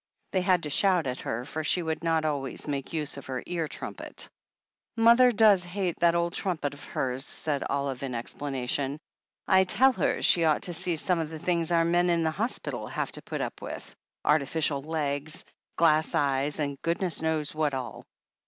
They had to shout at her, for she would not always make use of her ear trumpet. "Mother does hate that old trumpet of hers," said Olive in explanation. "I tell her she ought to see some of the things our men in hospital have to put up with — artificial legs, and glass eyes, and goodness knows what all."